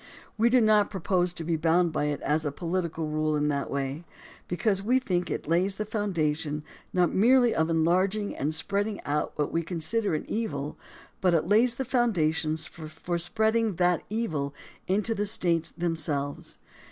We do not propose to be bound by it as a political rule in that way, because we think it lays the foundation not merely of enlarging and spreading out what we consider an evil, but it lays the foundation for spreading that evil into the States themselves.